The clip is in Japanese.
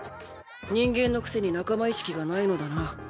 人間のくせに仲間意識がないのだな。